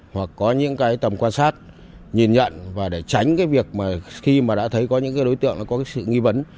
hoặc có những cái tầm quan sát nhìn nhận và để tránh cái việc mà khi mà đã thấy có những cái đối tượng nó có cái sự nghi vấn